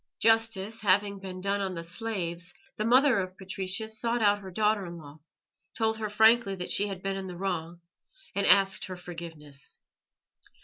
Justice having been done on the slaves, the mother of Patricius sought out her daughter in law, told her frankly that she had been in the wrong, and asked her forgiveness.